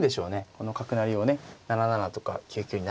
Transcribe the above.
この角成りをね７七とか９九に成らせないと。